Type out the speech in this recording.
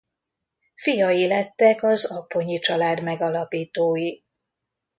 Fiai lettek az Apponyi család megalapítói.